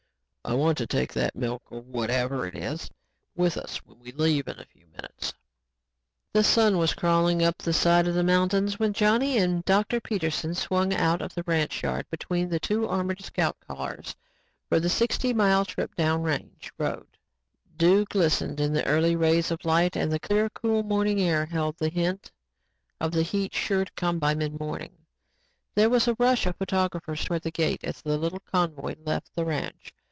I want to take that milk, or whatever it is, with us when we leave in a few minutes." The sun was crawling up the side of the mountains when Johnny and Dr. Peterson swung out of the ranch yard between two armored scout cars for the sixty mile trip down the range road. Dew glistened in the early rays of light and the clear, cool morning air held little hint of the heat sure to come by midmorning. There was a rush of photographers towards the gate as the little convoy left the ranch.